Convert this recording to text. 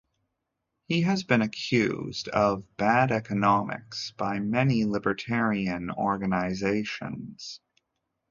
He has been accused of 'bad economics' by many libertarian organisations.